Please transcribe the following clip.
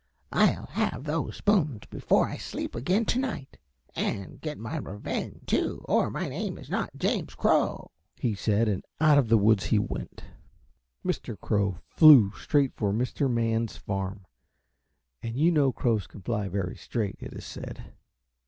"I'll have those spoons before I sleep again to night, and get my revenge, too, or my name is not James Crow," he said, and out of the woods he went. Mr. Crow flew straight for Mr. Man's farm, and you know crows can fly very straight, it is said.